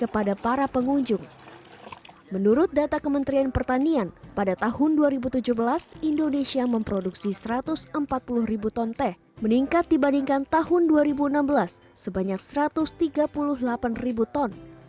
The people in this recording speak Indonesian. menurut data kementerian pertanian pada tahun dua ribu tujuh belas indonesia memproduksi satu ratus empat puluh ribu ton teh meningkat dibandingkan tahun dua ribu enam belas sebanyak satu ratus tiga puluh delapan ribu ton